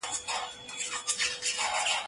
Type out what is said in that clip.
زه پرون د تکړښت لپاره ولاړم،